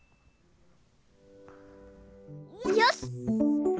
よし！